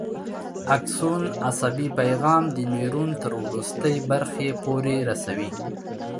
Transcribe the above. اکسون عصبي پیغام د نیورون تر وروستۍ برخې پورې رسوي.